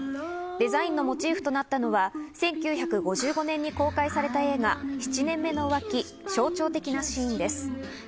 デザインのモチーフとなったのは１９５５年に公開された映画『七年目の浮気』の象徴的なシーンです。